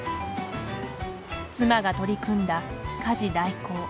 妻が取り組んだ家事代行。